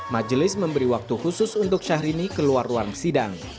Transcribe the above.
majelis memberi waktu khusus untuk syahrini keluar ruang sidang